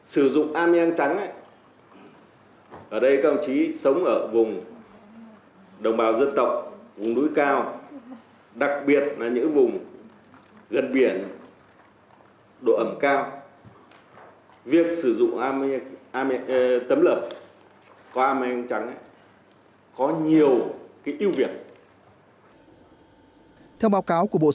trong suốt quá trình đó đã cho thấy lộ trình không sử dụng amiang cần thêm những phản hồi khoa học và từ những doanh nghiệp sản xuất